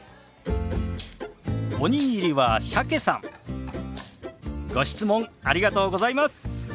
おにぎりは鮭さんご質問ありがとうございます。